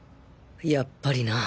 やっぱりな